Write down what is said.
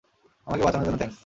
আমাকে বাঁচানোর জন্য থ্যাংক্স!